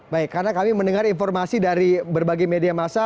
baik karena kami mendengar informasi dari berbagai media masa